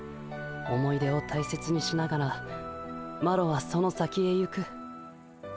思い出を大切にしながらマロはその先へ行く。